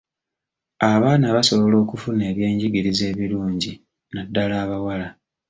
Abaana basobola okufuna ebyenjigiriza ebirungi naddala abawala.